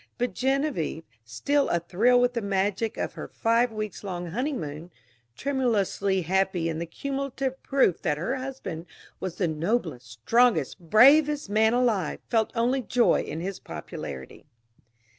But Genevieve, still a thrill with the magic of her five weeks long honeymoon, tremulously happy in the cumulative proof that her husband was the noblest, strongest, bravest man alive, felt only joy in his popularity.